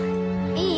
いい？